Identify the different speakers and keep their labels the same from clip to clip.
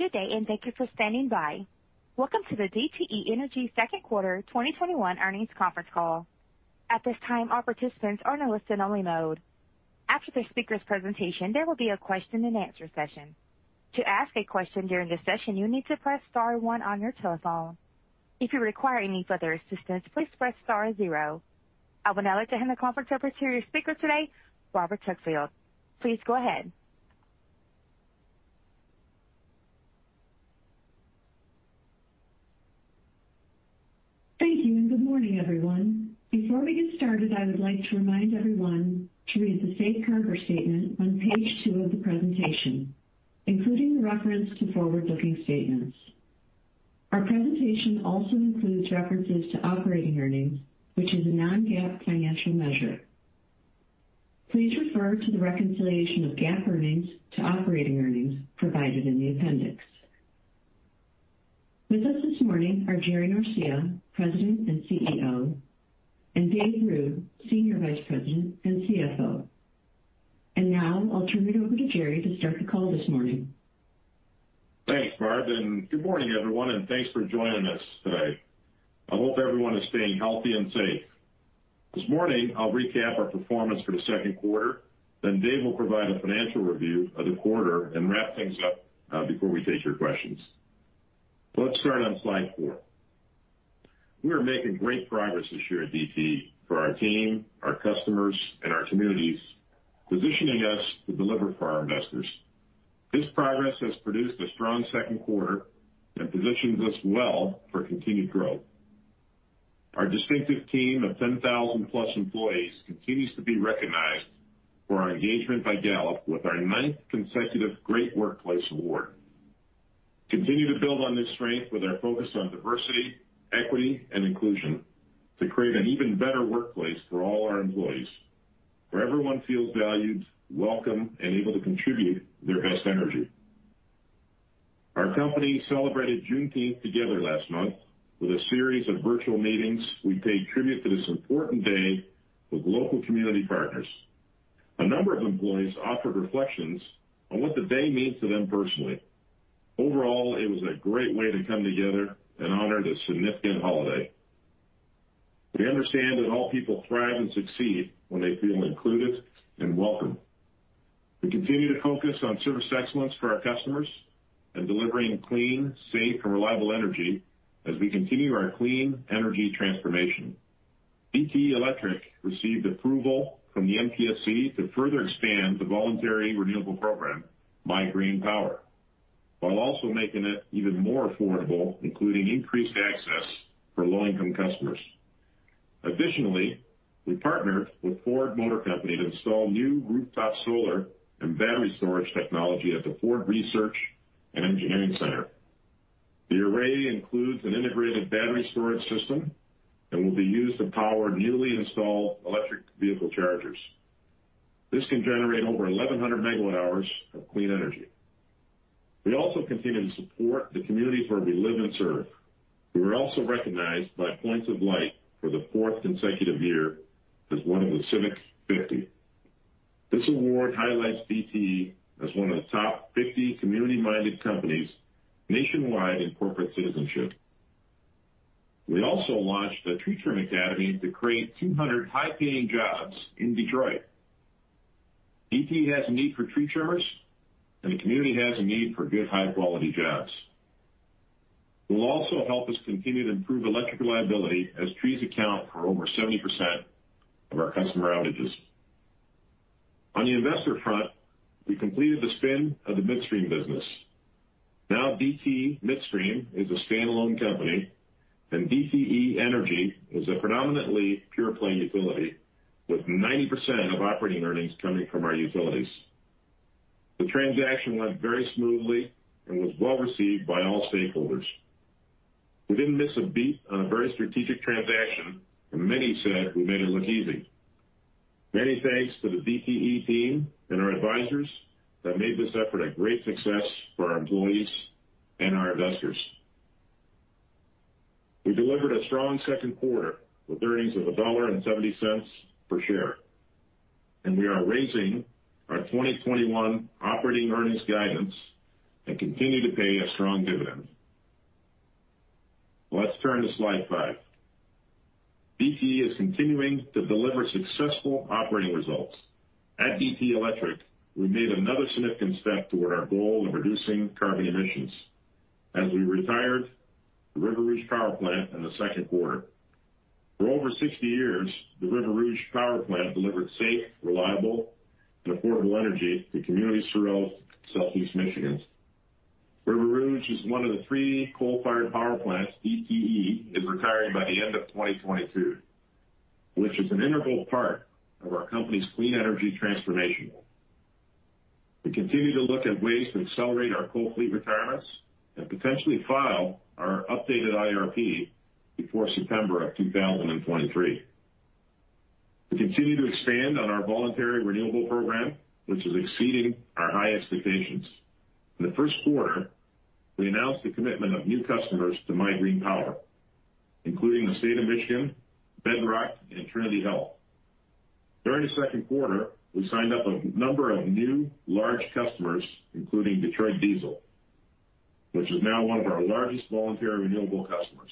Speaker 1: Good day, and thank you for standing by. Welcome to the DTE Energy Second Quarter 2021 Earnings Conference Call. At this time, all participants are in a listen-only mode. After the speakers' presentation, there will be a question-and-answer session. To ask a question during the session, you need to press star one on your telephone. If you require any further assistance, please press star zero. I would now like to hand the conference over to your speaker today, Barbara Tuckfield. Please go ahead.
Speaker 2: Thank you, and good morning, everyone. Before we get started, I would like to remind everyone to read the safe harbor statement on page two of the presentation, including the reference to forward-looking statements. Our presentation also includes references to operating earnings, which is a non-GAAP financial measure. Please refer to the reconciliation of GAAP earnings to operating earnings provided in the appendix. With us this morning are Jerry Norcia, President and CEO, and Dave Ruud, Senior Vice President and CFO. Now I'll turn it over to Jerry to start the call this morning.
Speaker 3: Thanks, Barb, and good morning, everyone, and thanks for joining us today. I hope everyone is staying healthy and safe. This morning, I'll recap our performance for the second quarter. Dave will provide a financial review of the quarter and wrap things up before we take your questions. Let's start on slide four. We are making great progress this year at DTE for our team, our customers, and our communities, positioning us to deliver for our investors. This progress has produced a strong second quarter and positions us well for continued growth. Our distinctive team of 10,000+ employees continues to be recognized for our engagement by Gallup with our ninth consecutive Gallup Great Workplace Award. We continue to build on this strength with our focus on diversity, equity, and inclusion to create an even better workplace for all our employees, where everyone feels valued, welcome, and able to contribute their best energy. Our company celebrated Juneteenth together last month with a series of virtual meetings. We paid tribute to this important day with local community partners. A number of employees offered reflections on what the day means to them personally. Overall, it was a great way to come together and honor this significant holiday. We understand that all people thrive and succeed when they feel included and welcomed. We continue to focus on service excellence for our customers and delivering clean, safe, and reliable energy as we continue our clean energy transformation. DTE Electric received approval from the MPSC to further expand the voluntary renewable program, MIGreenPower, while also making it even more affordable, including increased access for low-income customers. Additionally, we partnered with Ford Motor Company to install new rooftop solar and battery storage technology at the Ford Research and Engineering Center. The array includes an integrated battery storage system and will be used to power newly installed electric vehicle chargers. This can generate over 1,100 megawatt hours of clean energy. We also continue to support the communities where we live and serve. We were also recognized by Points of Light for the fourth consecutive year as one of the Civic 50. This award highlights DTE as one of the top 50 community-minded companies nationwide in corporate citizenship. We also launched the Tree Trimmer Academy to create 200 high-paying jobs in Detroit. DTE has a need for tree trimmers, and the community has a need for good, high-quality jobs. It will also help us continue to improve electric reliability as trees account for over 70% of our customer outages. On the investor front, we completed the spin of the Midstream business. Now DTE Midstream is a standalone company, and DTE Energy is a predominantly pure-play utility with 90% of operating earnings coming from our utilities. The transaction went very smoothly and was well-received by all stakeholders. We didn't miss a beat on a very strategic transaction, and many said we made it look easy. Many thanks to the DTE team and our advisors that made this effort a great success for our employees and our investors. We delivered a strong second quarter with earnings of $1.70 per share. We are raising our 2021 operating earnings guidance and continue to pay a strong dividend. Let's turn to slide five. DTE is continuing to deliver successful operating results. At DTE Electric, we made another significant step toward our goal of reducing carbon emissions as we retired the River Rouge Power Plant in the second quarter. For over 60 years, the River Rouge Power Plant delivered safe, reliable, and affordable energy to communities throughout Southeast Michigan. River Rouge is one of the three coal-fired power plants DTE is retiring by the end of 2022, which is an integral part of our company's clean energy transformation. We continue to look at ways to accelerate our coal fleet retirements and potentially file our updated IRP before September of 2023. We continue to expand on our voluntary renewable program, which is exceeding our high expectations. In the first quarter, we announced the commitment of new customers to MIGreenPower, including the State of Michigan, Bedrock, and Trinity Health. During the second quarter, we signed up a number of new large customers, including Detroit Diesel, which is now one of our largest voluntary renewable customers.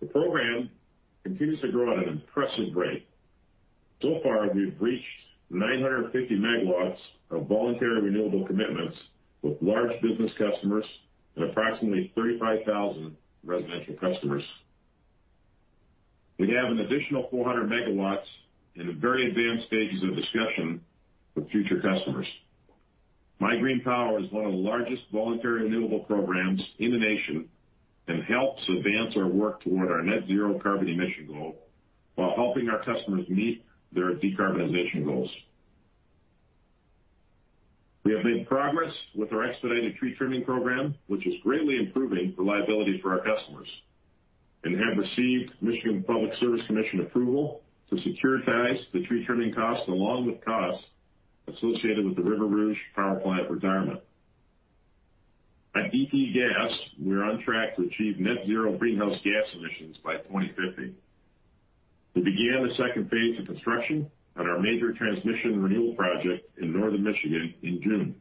Speaker 3: The program continues to grow at an impressive rate. So far, we've reached 950 MW of voluntary renewable commitments with large business customers and approximately 35,000 residential customers. We have an additional 400 MW in the very advanced stages of discussion with future customers. MIGreenPower is one of the largest voluntary renewable programs in the nation and helps advance our work toward our net zero carbon emission goal while helping our customers meet their decarbonization goals. We have made progress with our expedited tree trimming program, which is greatly improving reliability for our customers and have received Michigan Public Service Commission approval to securitize the tree trimming cost along with costs associated with the River Rouge Power Plant retirement. At DTE Gas, we are on track to achieve net zero greenhouse gas emissions by 2050. We began the second phase of construction on our major transmission renewal project in Northern Michigan in June.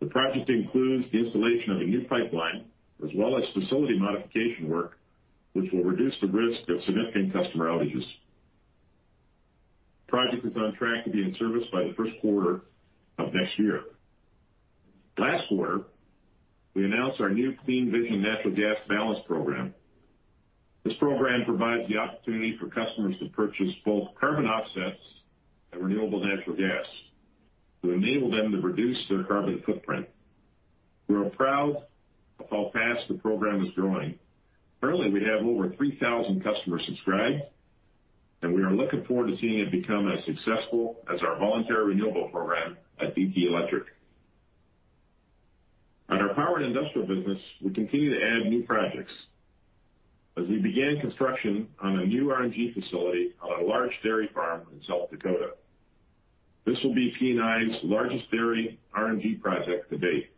Speaker 3: The project includes the installation of a new pipeline as well as facility modification work, which will reduce the risk of significant customer outages. The project is on track to be in service by the first quarter of next year. Last quarter, we announced our new CleanVision Natural Gas Balance program. This program provides the opportunity for customers to purchase both carbon offsets and renewable natural gas to enable them to reduce their carbon footprint. We are proud of how fast the program is growing. Currently, we have over 3,000 customers subscribed, and we are looking forward to seeing it become as successful as our voluntary renewable program at DTE Electric. At our Power & Industrial business, we continue to add new projects as we began construction on a new RNG facility on a large dairy farm in South Dakota. This will be P&I's largest dairy RNG project to date.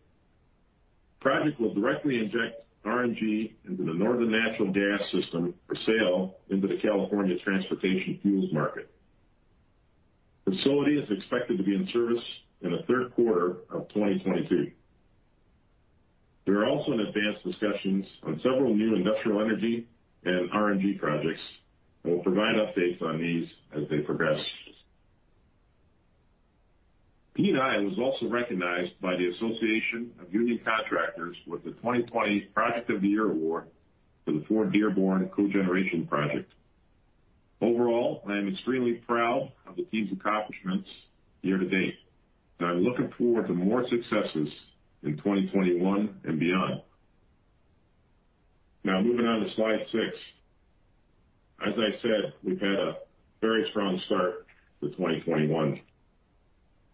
Speaker 3: The project will directly inject RNG into the Northern Natural Gas system for sale into the California transportation fuels market. The facility is expected to be in service in the third quarter of 2023. We are also in advanced discussions on several new industrial energy and RNG projects, and we'll provide updates on these as they progress. P&I was also recognized by The Association of Union Constructors with the 2020 Project of the Year Award for the Ford Dearborn Cogeneration Project. Overall, I am extremely proud of the team's accomplishments year-to-date, and I'm looking forward to more successes in 2021 and beyond. Moving on to slide six. As I said, we've had a very strong start to 2021.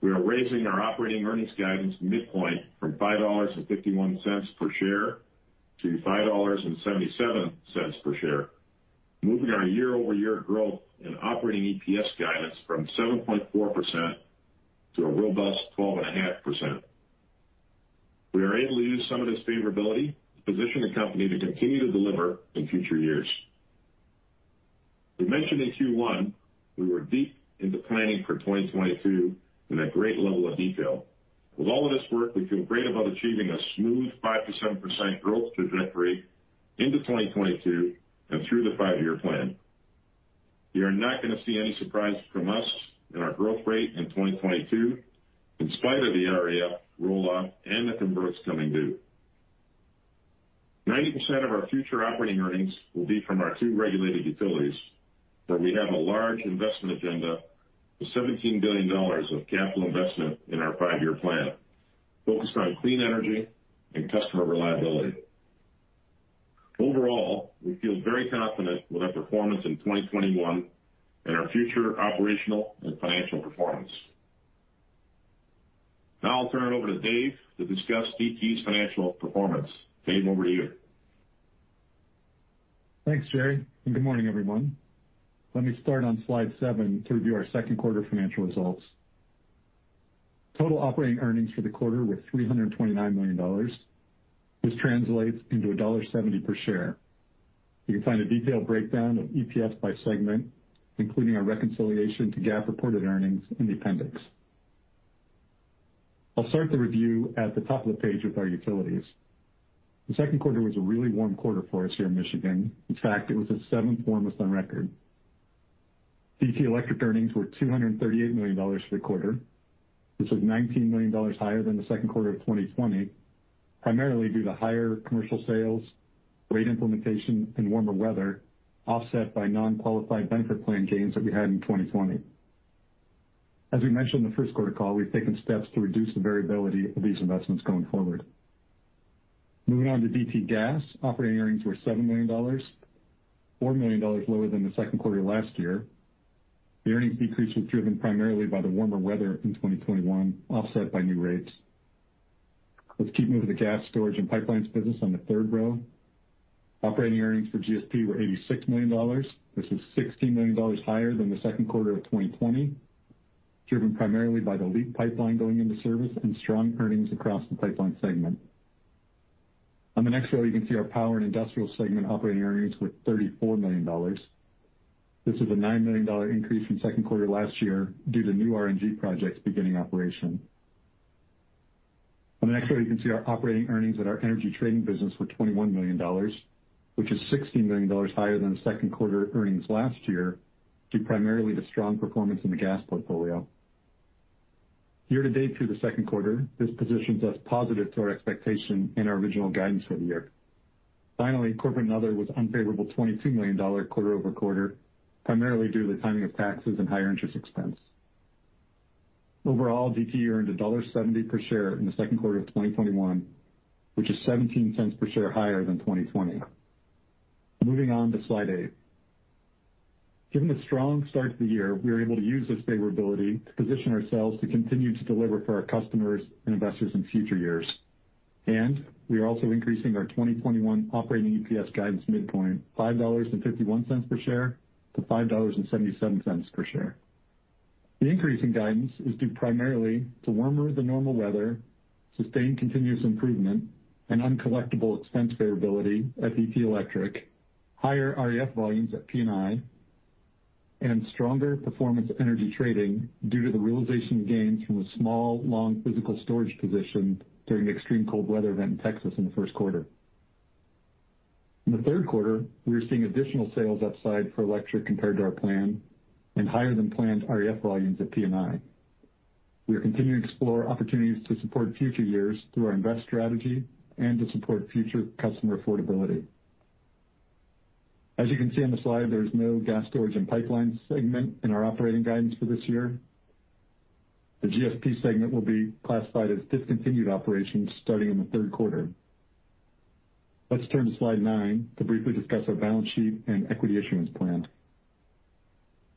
Speaker 3: We are raising our operating earnings guidance midpoint from $5.51 per share to $5.77 per share, moving our year-over-year growth and operating EPS guidance from 7.4% to a robust 12.5%. We are able to use some of this favorability to position the company to continue to deliver in future years. We mentioned in Q1 we were deep into planning for 2022 in a great level of detail. With all of this work, we feel great about achieving a smooth 5%-7% growth trajectory into 2022 and through the five-year plan. You're not going to see any surprises from us in our growth rate in 2022 in spite of the [inaudible] and the converts coming due. 90% of our future operating earnings will be from our two regulated utilities, where we have a large investment agenda with $17 billion of capital investment in our five-year plan focused on clean energy and customer reliability. Overall, we feel very confident with our performance in 2021 and our future operational and financial performance. Now I'll turn it over to Dave to discuss DTE's financial performance. Dave, over to you.
Speaker 4: Thanks, Jerry, good morning, everyone. Let me start on slide seven to review our second quarter financial results. Total operating earnings for the quarter were $329 million. This translates into $1.70 per share. You can find a detailed breakdown of EPS by segment, including our reconciliation to GAAP reported earnings in the appendix. I'll start the review at the top of the page with our utilities. The second quarter was a really warm quarter for us here in Michigan. In fact, it was the seventh warmest on record. DTE Electric earnings were $238 million for the quarter, which was $19 million higher than the second quarter of 2020, primarily due to higher commercial sales, rate implementation, and warmer weather offset by non-qualified benefit plan gains that we had in 2020. As we mentioned in the first quarter call, we've taken steps to reduce the variability of these investments going forward. Moving on to DTE Gas, operating earnings were $7 million, $4 million lower than the second quarter last year. The earnings decrease was driven primarily by the warmer weather in 2021, offset by new rates. Let's keep moving to Gas Storage and Pipelines business on the third row. Operating earnings for GSP were $86 million, which is $16 million higher than the second quarter of 2020, driven primarily by the LEAP pipeline going into service and strong earnings across the pipeline segment. On the next row, you can see our Power and Industrial segment operating earnings were $34 million. This is a $9 million increase from second quarter last year due to new RNG projects beginning operation. On the next row, you can see our operating earnings at our energy trading business were $21 million, which is $16 million higher than second quarter earnings last year, due primarily to strong performance in the gas portfolio. Year-to-date through the second quarter, this positions us positive to our expectation and our original guidance for the year. Corporate and other was unfavorable $22 million quarter-over-quarter, primarily due to the timing of taxes and higher interest expense. DTE earned $1.70 per share in the second quarter of 2021, which is $0.17 per share higher than 2020. Moving on to slide eight. Given the strong start to the year, we were able to use this favorability to position ourselves to continue to deliver for our customers and investors in future years. We are also increasing our 2021 operating EPS guidance midpoint $5.51 per share to $5.77 per share. The increase in guidance is due primarily to warmer than normal weather, sustained continuous improvement and uncollectible expense favorability at DTE Electric, higher REF volumes at P&I, and stronger performance energy trading due to the realization gains from a small, long physical storage position during the extreme cold weather event in Texas in the first quarter. In the third quarter, we are seeing additional sales upside for electric compared to our plan and higher-than-planned REF volumes at P&I. We are continuing to explore opportunities to support future years through our invest strategy and to support future customer affordability. As you can see on the slide, there is no Gas Storage and Pipelines segment in our operating guidance for this year. The GSP segment will be classified as discontinued operations starting in the third quarter. Let's turn to slide nine to briefly discuss our balance sheet and equity issuance plan.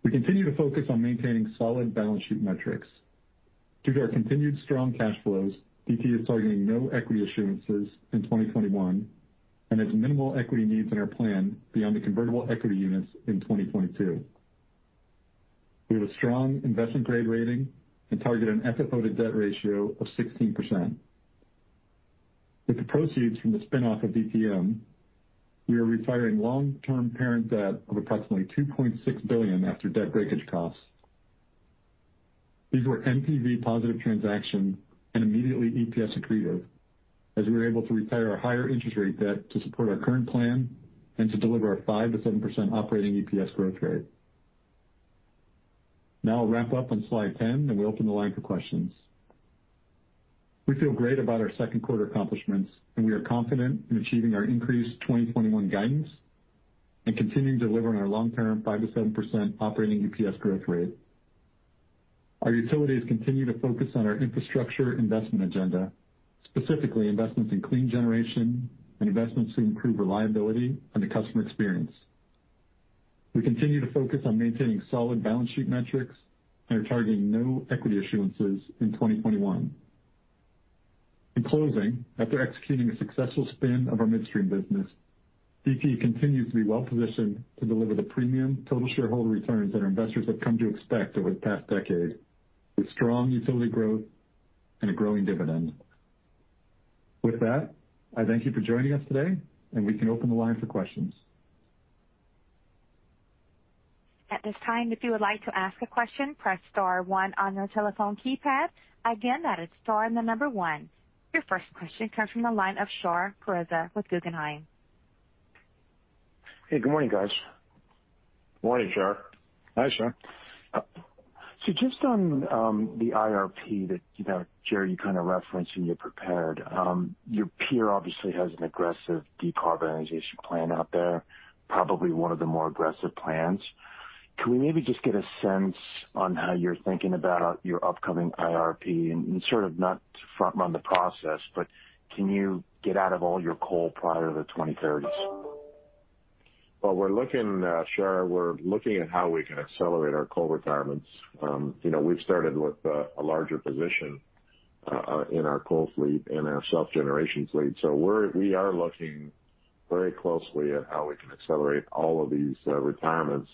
Speaker 4: We continue to focus on maintaining solid balance sheet metrics. Due to our continued strong cash flows, DTE is targeting no equity issuances in 2021 and has minimal equity needs in our plan beyond the convertible equity units in 2022. We have a strong investment-grade rating and target an FFO to that ratio of 16%. With the proceeds from the spin-off of DTM, we are retiring long-term parent debt of approximately $2.6 billion after that breakage costs. These were NPV-positive transaction and immediately EPS accretive, as we were able to retire our higher interest rate debt to support our current plan and to deliver our 5%-7% operating EPS growth rate. Now I'll wrap up on slide 10, and we'll open the line for questions. We feel great about our second quarter accomplishments, and we are confident in achieving our increased 2021 guidance and continuing to deliver on our long-term 5%-7% operating EPS growth rate. Our utilities continue to focus on our infrastructure investment agenda, specifically investments in clean generation and investments to improve reliability and the customer experience. We continue to focus on maintaining solid balance sheet metrics and are targeting no equity issuances in 2021. In closing, after executing a successful spin of our midstream business, DTE continues to be well-positioned to deliver the premium total shareholder returns that our investors have come to expect over the past decade, with strong utility growth and a growing dividend. With that, I thank you for joining us today, and we can open the line for questions.
Speaker 1: At this time, if you would like to ask a question, press star one on your telephone keypad. Again, that is star and the number one. Your first question comes from the line of Shar Pourreza with Guggenheim.
Speaker 5: Hey, good morning, guys.
Speaker 3: Morning, Shar.
Speaker 4: Hi, Shar.
Speaker 5: Just on the IRP that, Jerry, you kind of referenced in your prepared. Your peer obviously has an aggressive decarbonization plan out there, probably one of the more aggressive plans. Can we maybe just get a sense on how you're thinking about your upcoming IRP and sort of not to front-run the process, but can you get out of all your coal prior to the 2030s?
Speaker 3: Shar, we're looking at how we can accelerate our coal retirements. We've started with a larger position in our coal fleet and our self-generation fleet. We are looking very closely at how we can accelerate all of these retirements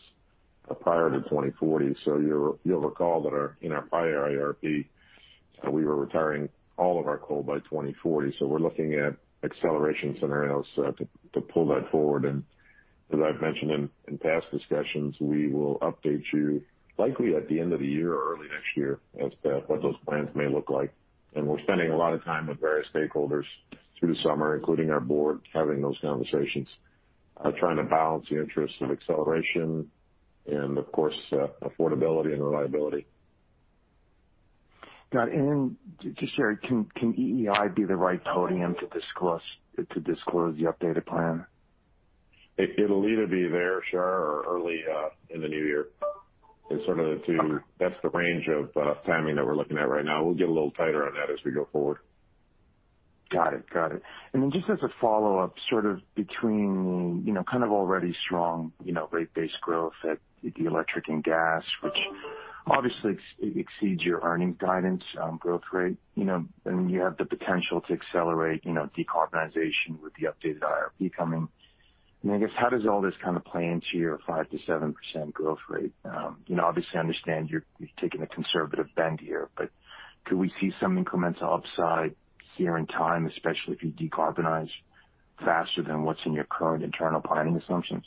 Speaker 3: prior to 2040. You'll recall that in our prior IRP, we were retiring all of our coal by 2040. We're looking at acceleration scenarios to pull that forward, and as I've mentioned in past discussions, we will update you likely at the end of the year or early next year as to what those plans may look like. We're spending a lot of time with various stakeholders through the summer, including our board, having those conversations, trying to balance the interests of acceleration and, of course, affordability and reliability.
Speaker 5: Got it. Just, Jerry, can EEI be the right podium to disclose the updated plan?
Speaker 3: It'll either be there, Shar, or early in the new year. That's the range of timing that we're looking at right now. We'll get a little tighter on that as we go forward.
Speaker 5: Got it. Just as a follow-up, sort of between kind of already strong rate base growth at the Electric and Gas, which obviously exceeds your earnings guidance growth rate, and you have the potential to accelerate decarbonization with the updated IRP coming, I guess, how does all this play into your 5%-7% growth rate? Obviously, I understand you're taking a conservative bend here, but could we see some incremental upside here in time, especially if you decarbonize faster than what's in your current internal planning assumptions?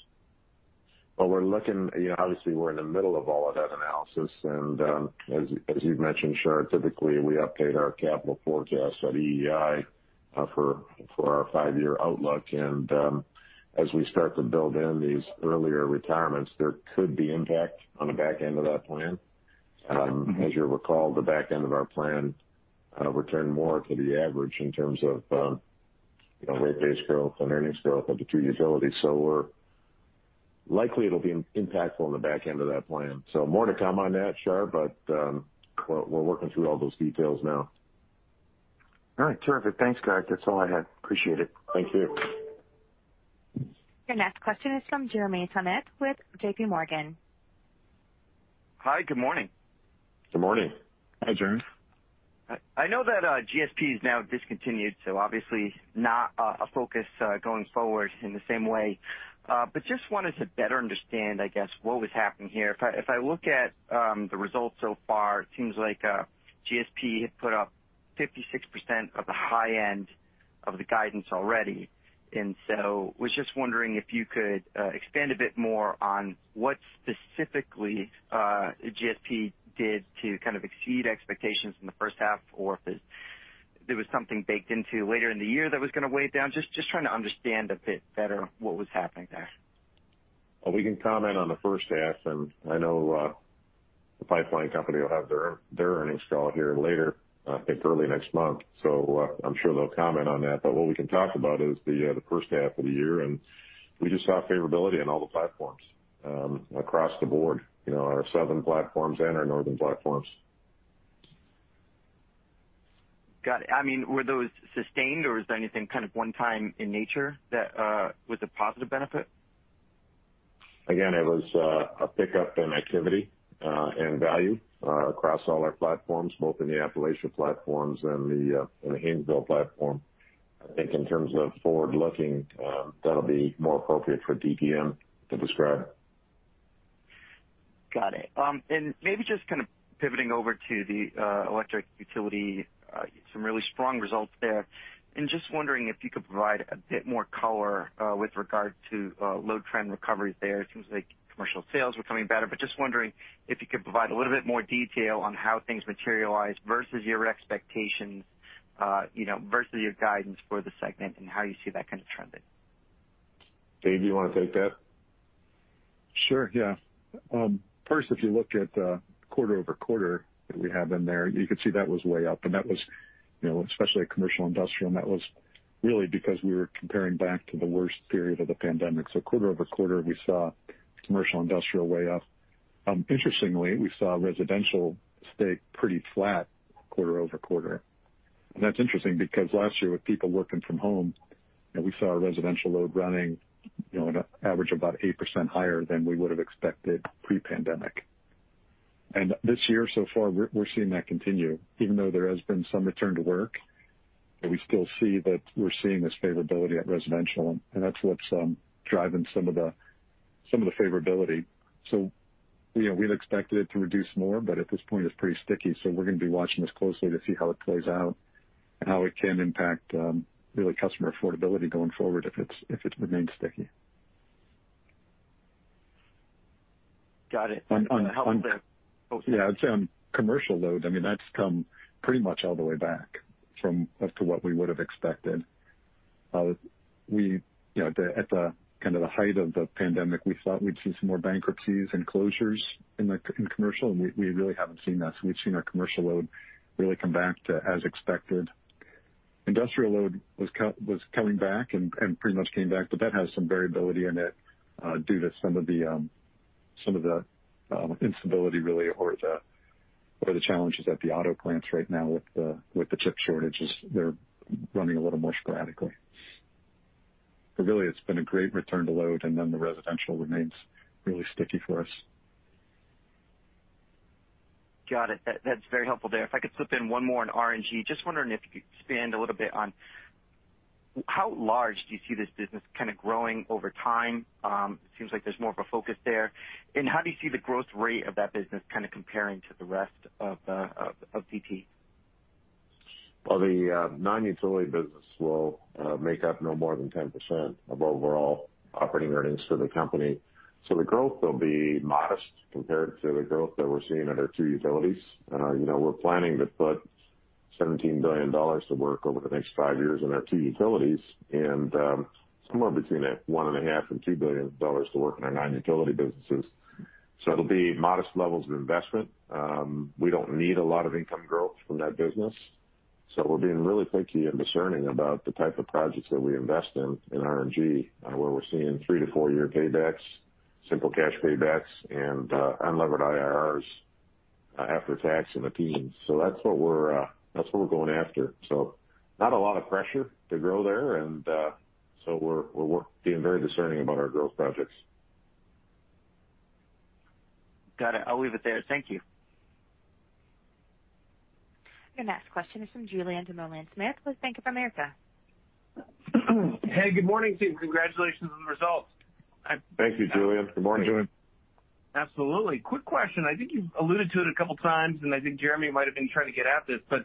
Speaker 3: Obviously, we're in the middle of all of that analysis, and as you've mentioned, Shar, typically, we update our capital forecast at EEI for our five-year outlook. As we start to build in these earlier retirements, there could be impact on the back end of that plan. As you'll recall, the back end of our plan returned more to the average in terms of rate base growth and earnings growth of the two utilities. Likely it'll be impactful on the back end of that plan. More to come on that, Shar, but we're working through all those details now.
Speaker 5: All right. Terrific. Thanks, guys. That's all I had. Appreciate it.
Speaker 3: Thank you.
Speaker 1: Your next question is from Jeremy Tonet with JPMorgan.
Speaker 6: Hi, good morning.
Speaker 3: Good morning.
Speaker 4: Hi, Jeremy.
Speaker 6: I know that GSP is now discontinued, obviously not a focus going forward in the same way. Just wanted to better understand, I guess, what was happening here. If I look at the results so far, it seems like GSP had put up 56% of the high end of the guidance already, was just wondering if you could expand a bit more on what specifically GSP did to kind of exceed expectations in the first half, or if there was something baked into later in the year that was going to weigh it down. Just trying to understand a bit better what was happening there.
Speaker 3: Well, we can comment on the first half, and I know the pipeline company will have their earnings call here later, I think, early next month. I'm sure they'll comment on that. What we can talk about is the first half of the year, and we just saw favorability on all the platforms across the board, our southern platforms and our northern platforms.
Speaker 6: Got it. Were those sustained, or was there anything kind of one time in nature that was a positive benefit?
Speaker 3: It was a pickup in activity and value across all our platforms, both in the Appalachian platforms and the Haynesville platform. I think in terms of forward looking, that'll be more appropriate for DPM to describe.
Speaker 6: Got it. Maybe just kind of pivoting over to the electric utility, some really strong results there. Just wondering if you could provide a bit more color with regard to load trend recoveries there. It seems like commercial sales were coming back, but just wondering if you could provide a little bit more detail on how things materialized versus your expectations, versus your guidance for the segment, and how you see that kind of trending.
Speaker 3: Dave, do you want to take that?
Speaker 4: Sure, yeah. First, if you looked at quarter-over-quarter that we have in there, you could see that was way up, and that was especially commercial industrial, and that was really because we were comparing back to the worst period of the pandemic. Quarter-over-quarter, we saw commercial industrial way up. Interestingly, we saw residential stay pretty flat quarter-over-quarter. That's interesting because last year, with people working from home, we saw our residential load running on average about 8% higher than we would have expected pre-pandemic. This year, so far, we're seeing that continue. Even though there has been some return to work, we still see that we're seeing this favorability at residential, and that's what's driving some of the favorability. We had expected it to reduce more, but at this point, it's pretty sticky. We're going to be watching this closely to see how it plays out and how it can impact, really, customer affordability going forward if it remains sticky.
Speaker 6: Got it.
Speaker 4: Yeah. I'd say on commercial load, that's come pretty much all the way back from up to what we would have expected. At the kind of the height of the pandemic, we thought we'd see some more bankruptcies and closures in commercial, and we really haven't seen that. We've seen our commercial load really come back to as expected. Industrial load was coming back and pretty much came back, but that has some variability in it due to some of the instability, really, or the challenges at the auto plants right now with the chip shortages. They're running a little more sporadically. Really, it's been a great return to load, and then the residential remains really sticky for us.
Speaker 6: Got it. That's very helpful there. If I could slip in one more on RNG. Just wondering if you could expand a little bit on how large do you see this business kind of growing over time? It seems like there's more of a focus there. How do you see the growth rate of that business kind of comparing to the rest of DTE?
Speaker 3: The non-utility business will make up no more than 10% of overall operating earnings for the company. The growth will be modest compared to the growth that we're seeing at our two utilities. We're planning to put $17 billion to work over the next five years in our two utilities and somewhere between $1.5 billion and $2 billion to work in our non-utility businesses. It'll be modest levels of investment. We don't need a lot of income growth from that business. We're being really picky and discerning about the type of projects that we invest in RNG, where we're seeing three to four year paybacks, simple cash paybacks, and unlevered IRRs after tax in the teens. That's what we're going after. Not a lot of pressure to grow there, and so we're being very discerning about our growth projects.
Speaker 6: Got it. I'll leave it there. Thank you.
Speaker 1: Your next question is from Julien Dumoulin-Smith with Bank of America.
Speaker 7: Hey, good morning, team. Congratulations on the results.
Speaker 3: Thank you, Julien. Good morning, Julien.
Speaker 7: Absolutely. Quick question. I think you've alluded to it a couple times, and I think Jeremy might have been trying to get at this, but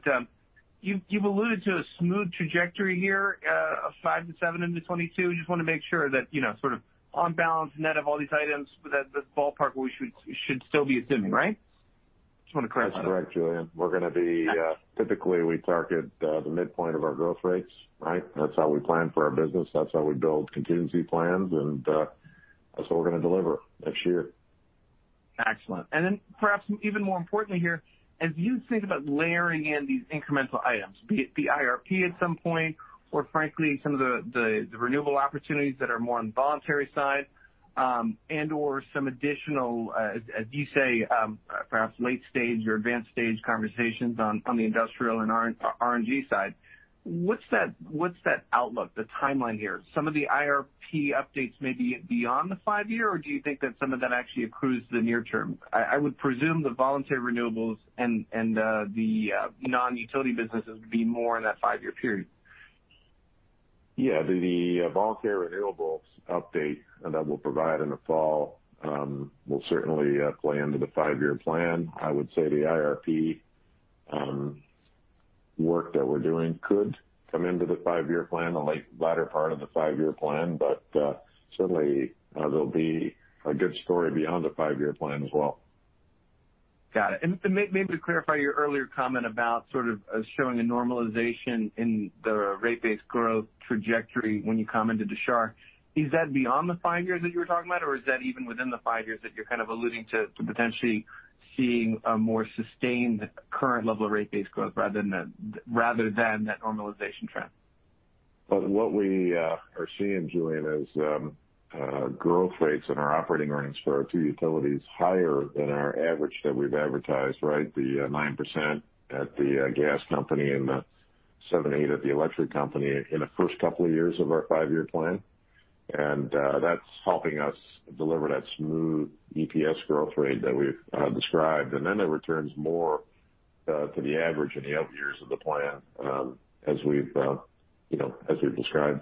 Speaker 7: you've alluded to a smooth trajectory here of five to seven into 2022. Just want to make sure that sort of on-balance net of all these items, that this is the ballpark where we should still be assuming, right? Just want to clarify that.
Speaker 3: That's correct, Julien. Typically, we target the midpoint of our growth rates, right? That's how we plan for our business, that's how we build contingency plans, and that's what we're going to deliver next year.
Speaker 7: Excellent. Perhaps even more importantly here, as you think about layering in these incremental items, be it the IRP at some point or frankly, some of the renewable opportunities that are more on the voluntary side, and/or some additional, as you say, perhaps late-stage or advanced-stage conversations on the industrial and RNG side, what's that outlook, the timeline here? Some of the IRP updates may be beyond the five year, or do you think that some of that actually accrues to the near term? I would presume the voluntary renewables and the non-utility businesses would be more in that five year period.
Speaker 3: The voluntary renewables update that we'll provide in the fall will certainly play into the five-year plan. I would say the IRP work that we're doing could come into the five-year plan, the latter part of the five-year plan. Certainly, there'll be a good story beyond the five-year plan as well.
Speaker 7: Got it. Maybe to clarify your earlier comment about sort of showing a normalization in the rate base growth trajectory when you commented to Shar, is that beyond the five years that you were talking about? Or is that even within the five years that you're kind of alluding to potentially seeing a more sustained current level of rate base growth rather than that normalization trend?
Speaker 3: What we are seeing, Julien, is growth rates in our operating earnings for our two utilities higher than our average that we've advertised, right? The 9% at the Gas Company and the 7%-8% at the Electric Company in the first couple of years of our five-year plan. That's helping us deliver that smooth EPS growth rate that we've described. It returns more to the average in the out years of the plan as we've described.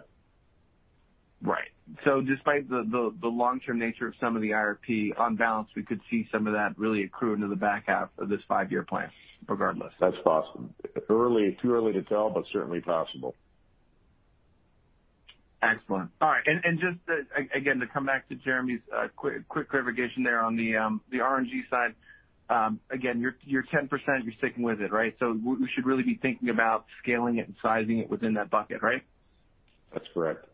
Speaker 7: Right. Despite the long-term nature of some of the IRP, on balance, we could see some of that really accrue into the back half of this five-year plan, regardless.
Speaker 3: That's possible. Too early to tell, but certainly possible.
Speaker 7: Excellent. All right. Just, again, to come back to Jeremy's quick clarification there on the RNG side. Again, your 10%, you're sticking with it, right? We should really be thinking about scaling it and sizing it within that bucket, right?
Speaker 3: That's correct.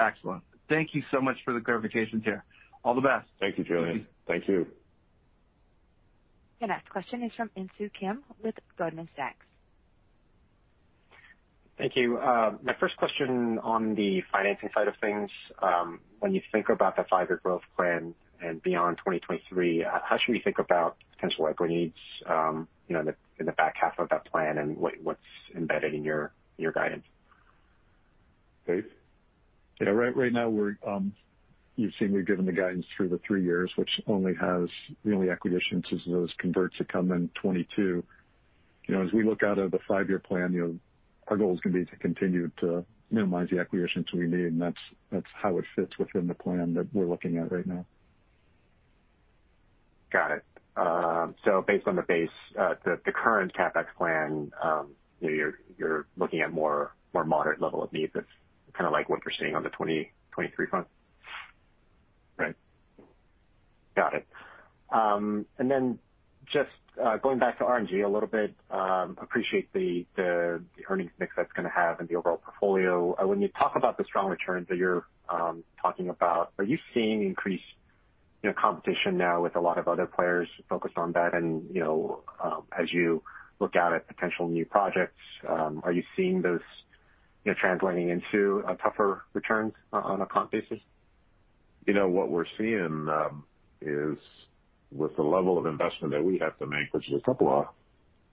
Speaker 7: Excellent. Thank you so much for the clarifications here. All the best.
Speaker 3: Thank you, Julien. Thank you.
Speaker 1: Your next question is from Insoo Kim with Goldman Sachs.
Speaker 8: Thank you. My first question on the financing side of things. When you think about the five year growth plan and beyond 2023, how should we think about potential equity needs in the back half of that plan, and what's embedded in your guidance?
Speaker 3: Dave?
Speaker 4: Yeah. Right now, you've seen we've given the guidance through the three years, which only has really equity issuances as those converts that come in 2022. As we look out at the five-year plan, our goal is going to be to continue to minimize the equity issuances we need, and that's how it fits within the plan that we're looking at right now.
Speaker 8: Got it. Based on the current CapEx plan, you're looking at more moderate level of needs. That's kind of like what you're seeing on the 2023 front?
Speaker 4: Right.
Speaker 8: Got it. Just going back to RNG a little bit. Appreciate the earnings mix that's going to have in the overall portfolio. When you talk about the strong returns that you're talking about, are you seeing increased competition now with a lot of other players focused on that? As you look out at potential new projects, are you seeing those translating into tougher returns on an account basis?
Speaker 3: What we're seeing is with the level of investment that we have to make, which is 2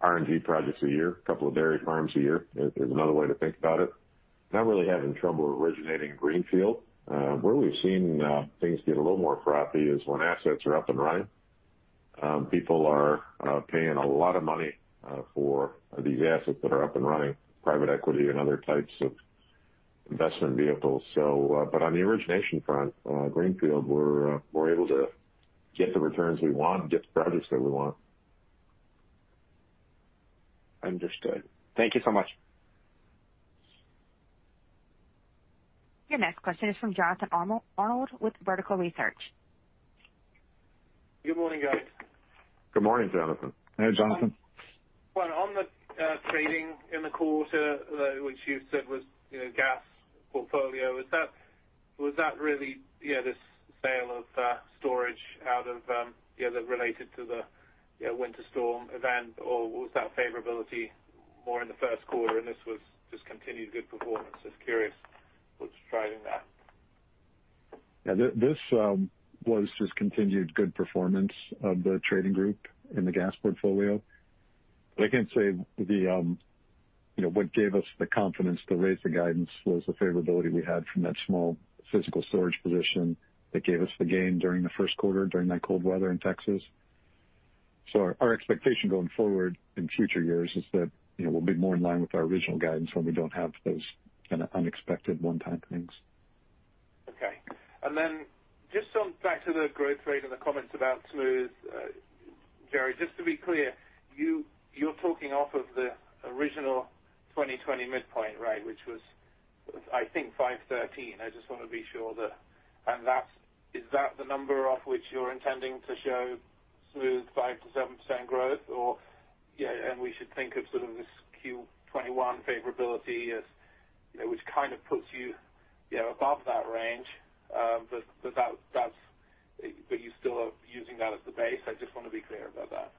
Speaker 3: RNG projects a year, two dairy farms a year, is another way to think about it. Not really having trouble originating greenfield. Where we've seen things get a little more frothy is when assets are up and running. People are paying a lot of money for these assets that are up and running, private equity and other types of investment vehicles. On the origination front, greenfield, we're able to get the returns we want and get the projects that we want.
Speaker 8: Understood. Thank you so much.
Speaker 1: Your next question is from Jonathan Arnold with Vertical Research.
Speaker 9: Good morning, guys.
Speaker 3: Good morning, Jonathan.
Speaker 4: Hey, Jonathan.
Speaker 9: On the trading in the quarter, which you said was gas portfolio, was that really this sale of storage [inaudible] related to the winter storm event? Was that favorability more in the first quarter and this was just continued good performance? Just curious what's driving that.
Speaker 4: This was just continued good performance of the trading group in the gas portfolio. I can say the that gave us the confidence to raise the guidance was the favorability we had from that small physical storage position that gave us the gain during the first quarter, during that cold weather in Texas. Our expectation going forward in future years is that we'll be more in line with our original guidance when we don't have those kind of unexpected one-time things.
Speaker 9: Okay. Then just on back to the growth rate and the comments about smooth. Jerry, just to be clear, you're talking off of the original 2020 midpoint, right? Which was, I think, $5.13. I just want to be sure. Is that the number off which you're intending to show smooth 5%-7% growth? We should think of sort of this Q2 2021 favorability, which kind of puts you above that range, but you still are using that as the base? I just want to be clear about that.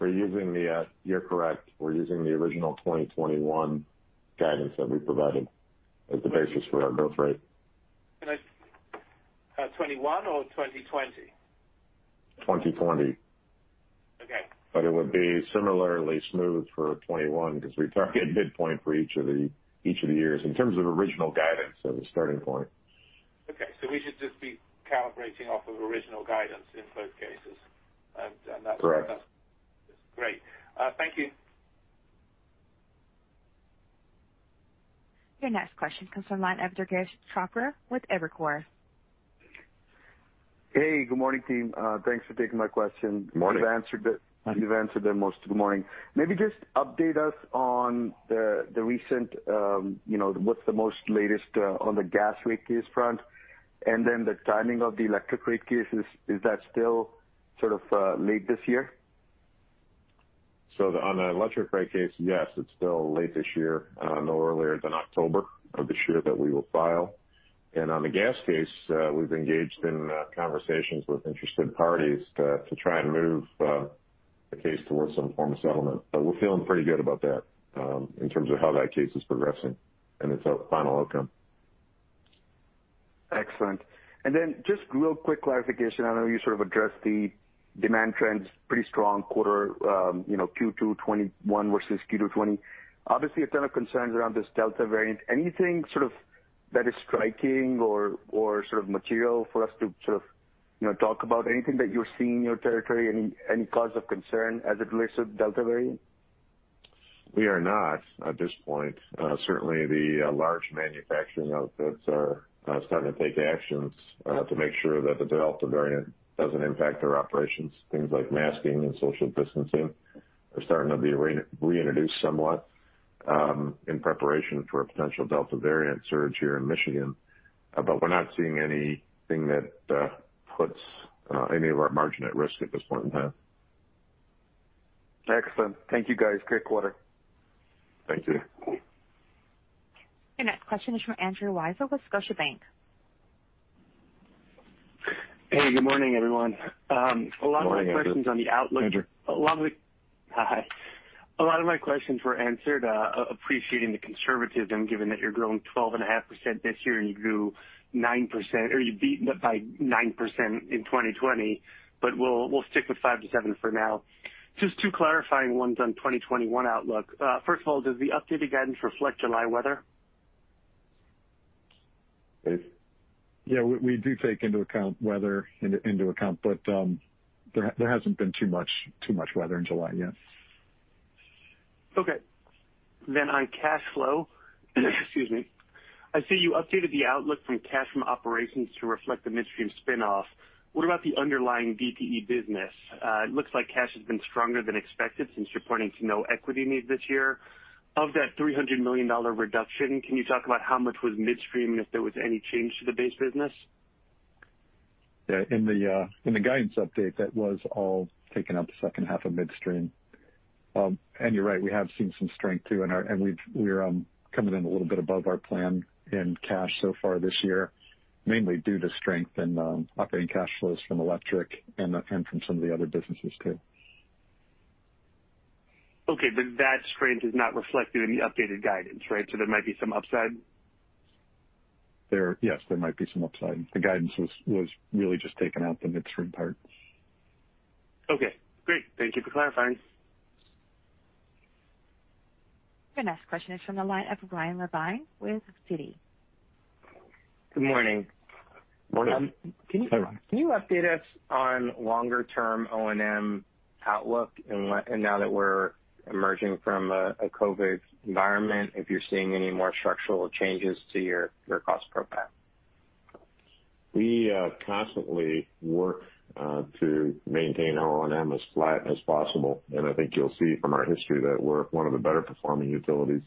Speaker 3: You're correct. We're using the original 2021 guidance that we provided as the basis for our growth rate.
Speaker 9: 2021 or 2020?
Speaker 3: 2020.
Speaker 9: Okay.
Speaker 3: It would be similarly smooth for 2021 because we target midpoint for each of the years in terms of original guidance as a starting point.
Speaker 9: Okay. We should just be calibrating off of original guidance in both cases and that's.
Speaker 3: Correct.
Speaker 9: Great. Thank you.
Speaker 1: Your next question comes from the line of Durgesh Chopra with Evercore.
Speaker 10: Hey, good morning, team. Thanks for taking my question.
Speaker 3: Morning.
Speaker 10: You've answered them most of the morning. Maybe just update us on the recent, what's the latest on the gas rate case front, and then the timing of the electric rate cases, is that still sort of late this year?
Speaker 3: On the electric rate case, yes, it's still late this year. No earlier than October of this year that we will file. On the gas case, we've engaged in conversations with interested parties to try and move the case towards some form of settlement. We're feeling pretty good about that in terms of how that case is progressing and its final outcome.
Speaker 10: Excellent. Just real quick clarification. I know you sort of addressed the demand trends, pretty strong quarter, Q2 2021 versus Q2 2020. Obviously a ton of concerns around this Delta variant. Anything that is striking or sort of material for us to talk about? Anything that you're seeing in your territory? Any cause of concern as it relates to the Delta variant?
Speaker 3: We are not at this point. Certainly, the large manufacturing outfits are starting to take actions to make sure that the Delta variant doesn't impact their operations. Things like masking and social distancing are starting to be reintroduced somewhat, in preparation for a potential Delta variant surge here in Michigan. We're not seeing anything that puts any of our margin at risk at this point in time.
Speaker 10: Excellent. Thank you guys. Great quarter.
Speaker 3: Thank you.
Speaker 1: Your next question is from Andrew Weisel with Scotiabank.
Speaker 11: Hey, good morning, everyone.
Speaker 3: Morning, Andrew.
Speaker 11: A lot of my questions on the outlook
Speaker 3: Andrew.
Speaker 11: Hi. A lot of my questions were answered. Appreciating the conservatism, given that you're growing 12.5% this year, and you grew 9%, or you beaten it by 9% in 2020. We'll stick with 5%-7% for now. Just two clarifying ones on 2021 outlook. First of all, does the updated guidance reflect July weather?
Speaker 4: We do take weather into account, but there hasn't been too much weather in July yet.
Speaker 11: Okay. On cash flow, excuse me. I see you updated the outlook from cash from operations to reflect the midstream spinoff. What about the underlying DTE business? It looks like cash has been stronger than expected since you're pointing to no equity needs this year. Of that $300 million reduction, can you talk about how much was midstream and if there was any change to the base business?
Speaker 4: Yeah. In the guidance update, that was all taken out the second half of midstream. You're right, we have seen some strength too, and we're coming in a little bit above our plan in cash so far this year, mainly due to strength in operating cash flows from electric and from some of the other businesses too.
Speaker 11: That strength is not reflected in the updated guidance, right? There might be some upside?
Speaker 4: Yes, there might be some upside. The guidance was really just taking out the midstream part.
Speaker 11: Okay, great. Thank you for clarifying.
Speaker 1: Your next question is from the line of Ryan Levine with Citi.
Speaker 12: Good morning.
Speaker 3: Morning. Hi, Ryan.
Speaker 12: Can you update us on longer-term O&M outlook and now that we're emerging from a COVID environment, if you're seeing any more structural changes to your cost profile?
Speaker 3: We constantly work to maintain O&M as flat as possible, and I think you'll see from our history that we're one of the better performing utilities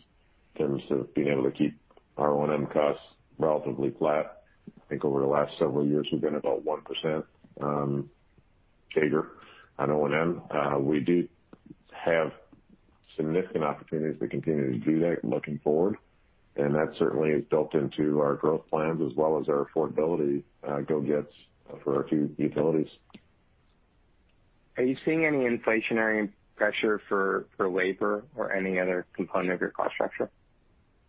Speaker 3: in terms of being able to keep our O&M costs relatively flat. I think over the last several years, we've been about 1% bigger on O&M. We do have significant opportunities to continue to do that looking forward, and that certainly is built into our growth plans as well as our affordability go gets for our two utilities.
Speaker 12: Are you seeing any inflationary pressure for labor or any other component of your cost structure?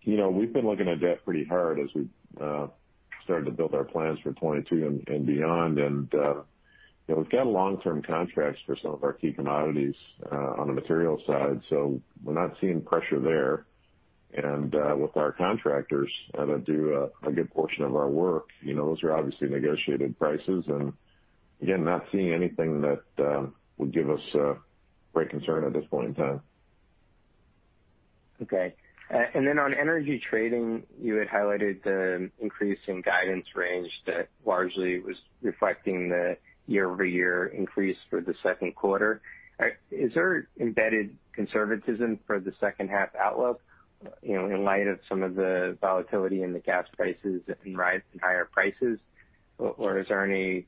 Speaker 3: We've been looking at debt pretty hard as we started to build our plans for 2022 and beyond, we've got long-term contracts for some of our key commodities on the materials side, we're not seeing pressure there. With our contractors that do a good portion of our work, those are obviously negotiated prices and, again, not seeing anything that would give us great concern at this point in time.
Speaker 12: Okay. On energy trading, you had highlighted the increase in guidance range that largely was reflecting the year-over-year increase for the second quarter. Is there embedded conservatism for the second half outlook, in light of some of the volatility in the gas prices and higher prices? Is there any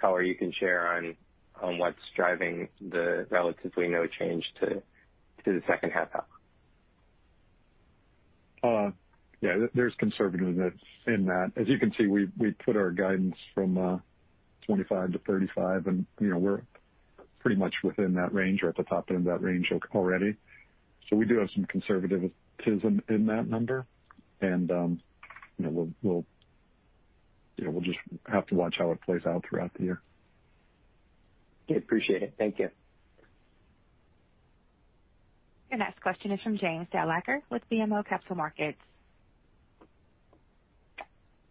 Speaker 12: color you can share on what's driving the relatively no change to the second half outlook?
Speaker 4: Yeah, there's conservatism in that. As you can see, we put our guidance from $25-$35, and we're pretty much within that range or at the top end of that range already. We do have some conservatism in that number, and we'll just have to watch how it plays out throughout the year.
Speaker 12: Okay. Appreciate it. Thank you.
Speaker 1: Your next question is from James Thalacker with BMO Capital Markets.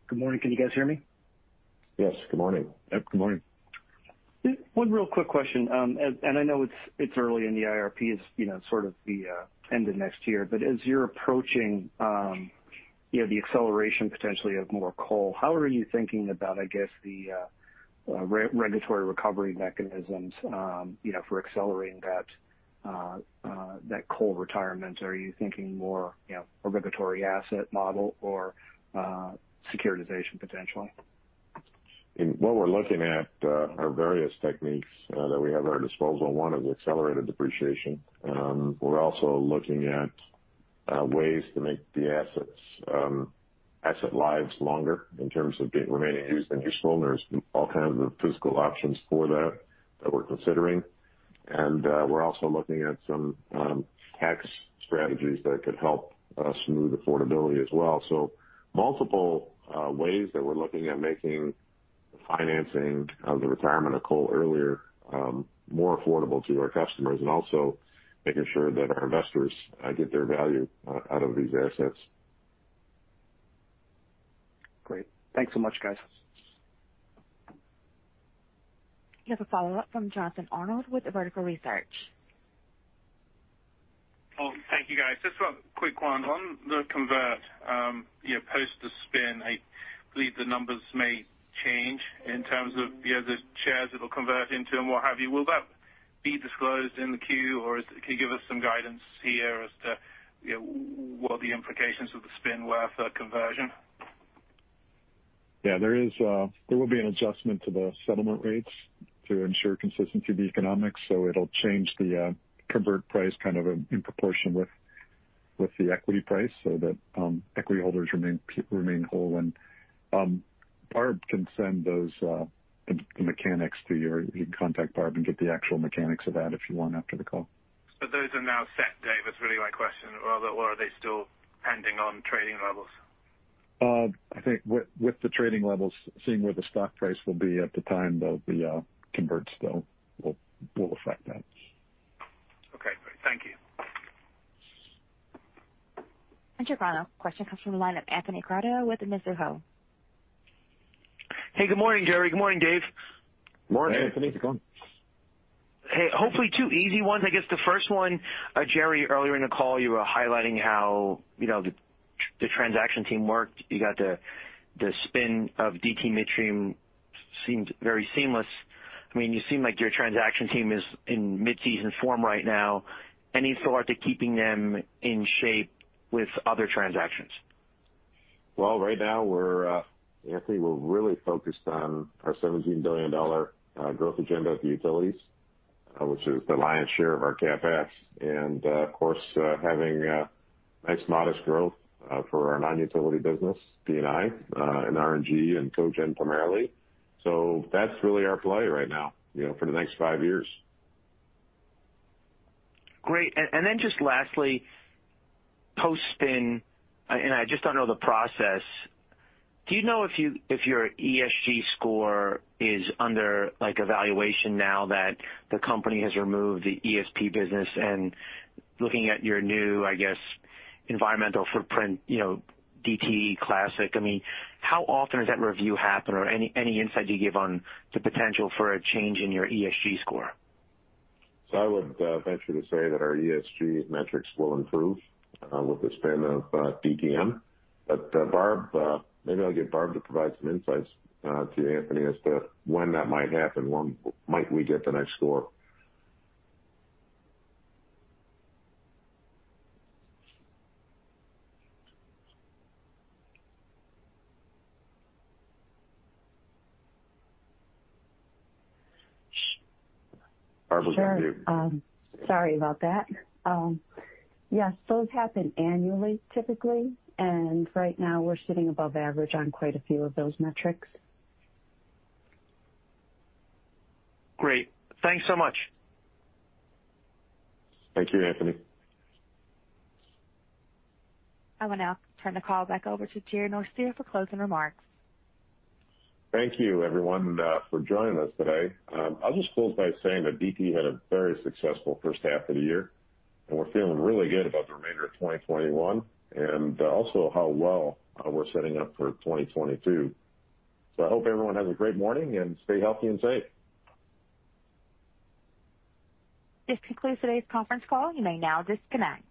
Speaker 13: Good morning. Can you guys hear me?
Speaker 3: Yes, good morning.
Speaker 4: Good morning.
Speaker 13: One real quick question. I know it's early in the IRP. It's sort of the end of next year. As you're approaching the acceleration potentially of more coal, how are you thinking about, I guess, the regulatory recovery mechanisms for accelerating that coal retirement? Are you thinking more regulatory asset model or securitization potentially?
Speaker 3: What we're looking at are various techniques that we have at our disposal. One is accelerated depreciation. We're also looking at ways to make the asset lives longer in terms of remaining used and useful. There's all kinds of physical options for that we're considering. We're also looking at some tax strategies that could help smooth affordability as well. Multiple ways that we're looking at making the financing of the retirement of coal earlier more affordable to our customers, and also making sure that our investors get their value out of these assets.
Speaker 13: Great. Thanks so much, guys.
Speaker 1: You have a follow-up from Jonathan Arnold with Vertical Research.
Speaker 9: Thank you, guys. Just a quick one. On the convert, post the spin, I believe the numbers may change in terms of the shares it'll convert into and what have you. Will that be disclosed in the Q, or can you give us some guidance here as to what the implications of the spin were for conversion?
Speaker 4: Yeah, there will be an adjustment to the settlement rates to ensure consistency of the economics, so it'll change the convert price kind of in proportion with the equity price so that equity holders remain whole. Barb can send those mechanics to you, or you can contact Barb and get the actual mechanics of that if you want after the call.
Speaker 9: Those are now set, Dave, is really my question. Are they still pending on trading levels?
Speaker 4: I think with the trading levels, seeing where the stock price will be at the time that the converts will affect that.
Speaker 9: Okay, great. Thank you.
Speaker 1: Your final question comes from the line of Anthony Crowdell with Mizuho.
Speaker 14: Hey, good morning, Jerry. Good morning, Dave.
Speaker 3: Morning, Anthony.
Speaker 4: Good morning.
Speaker 14: Hey. Hopefully two easy ones. I guess the first one, Jerry, earlier in the call, you were highlighting how the transaction team worked. You got the spin of DT Midstream, seemed very seamless. You seem like your transaction team is in mid-season form right now. Any thought to keeping them in shape with other transactions?
Speaker 3: Well, right now, Anthony, we're really focused on our $17 billion growth agenda at the utilities, which is the lion's share of our CapEx, and, of course, having nice modest growth for our non-utility business, P&I and RNG, and Cogen primarily. That's really our play right now for the next five years.
Speaker 14: Great. Then just lastly, post-spin, and I just don't know the process, do you know if your ESG score is under evaluation now that the company has removed the GSP business? Looking at your new, I guess, environmental footprint, DTE Classic. How often does that review happen, or any insight you can give on the potential for a change in your ESG score?
Speaker 3: I would venture to say that our ESG metrics will improve with the spin of DTM. Barb, maybe I'll get Barb to provide some insights to you, Anthony, as to when that might happen, when might we get the next score. Barb, what's up with you?
Speaker 2: Sure. Sorry about that. Yes, those happen annually, typically. Right now, we're sitting above average on quite a few of those metrics.
Speaker 14: Great. Thanks so much.
Speaker 3: Thank you, Anthony.
Speaker 1: I will now turn the call back over to Jerry Norcia for closing remarks.
Speaker 3: Thank you everyone for joining us today. I'll just close by saying that DTE had a very successful first half of the year, and we're feeling really good about the remainder of 2021, and also how well we're setting up for 2022. I hope everyone has a great morning, and stay healthy and safe.
Speaker 1: This concludes today's conference call. You may now disconnect.